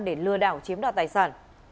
để lừa đảo chiếm đoạt tài sản